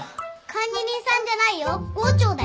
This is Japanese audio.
管理人さんじゃないよ郷長だよ。